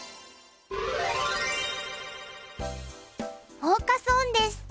フォーカス・オンです。